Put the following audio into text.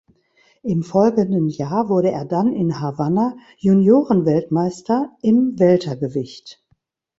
Im folgenden Jahr wurde er dann in Havanna Juniorenweltmeister im Weltergewicht.